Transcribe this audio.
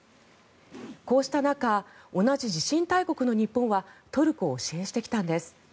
こうした中、同じ地震の日本はトルコを支援してきたんです。